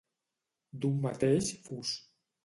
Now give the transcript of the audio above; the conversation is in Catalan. D'un mateix fus.